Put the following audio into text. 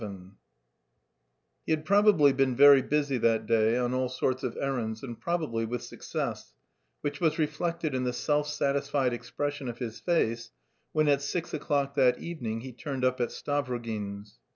VII He had probably been very busy that day on all sorts of errands and probably with success, which was reflected in the self satisfied expression of his face when at six o'clock that evening he turned up at Stavrogin's.